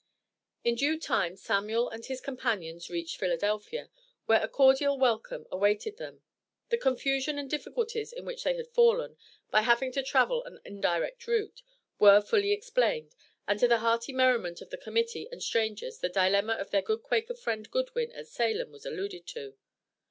In due time Samuel and his companions reached Philadelphia, where a cordial welcome awaited them. The confusion and difficulties into which they had fallen, by having to travel an indirect route, were fully explained, and to the hearty merriment of the Committee and strangers, the dilemma of their good Quaker friend Goodwin at Salem was alluded to.